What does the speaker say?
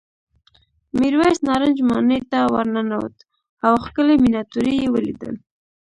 میرويس نارنج ماڼۍ ته ورننوت او ښکلې مېناتوري یې ولیدل.